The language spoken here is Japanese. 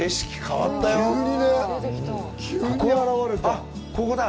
あっ、ここだ。